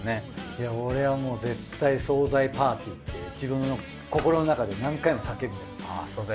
いや俺はもう絶対総菜パーティーって自分の心の中で何回も叫んでます。